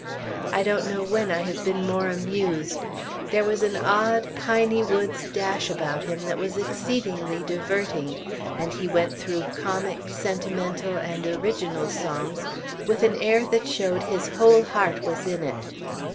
I don't know when I have been more amused. There was an odd, piney woods dash about him that was exceedingly diverting, and he went through comic, sentimental, and original songs with an air that showed his whole heart was in it.